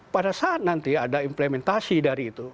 pada saat nanti ada implementasi dari itu